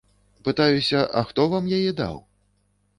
Пытаюся, а хто вам яе даў?